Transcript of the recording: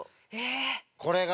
これが。